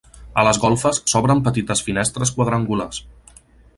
A les golfes s'obren petites finestres quadrangulars.